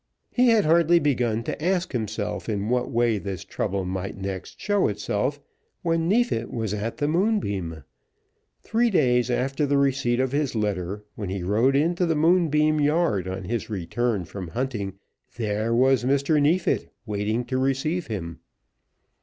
He had hardly begun to ask himself in what way this trouble might next show itself, when Neefit was at the Moonbeam. Three days after the receipt of his letter, when he rode into the Moonbeam yard on his return from hunting, there was Mr. Neefit waiting to receive him.